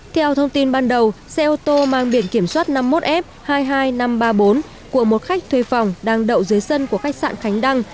theo thông tin ban đầu xe ô tô mang biển kiểm soát năm mươi một f hai mươi hai nghìn năm trăm ba mươi bốn của một khách thuê phòng đang đậu dưới sân của khách sạn khánh đăng